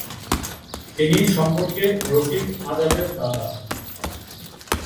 তিনি সম্পর্কে রফিক আজাদের দাদা।